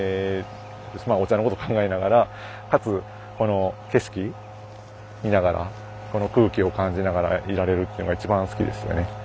お茶のことを考えながらかつこの景色見ながらこの空気を感じながらいられるっていうのが一番好きですね。